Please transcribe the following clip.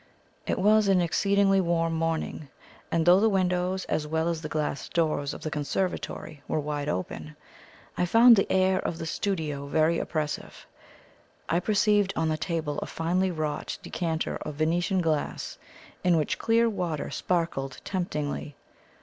It was an exceedingly warm morning, and though the windows as well as the glass doors of the conservatory were wide open, I found the air of the studio very oppressive. I perceived on the table a finely wrought decanter of Venetian glass, in which clear water sparkled temptingly.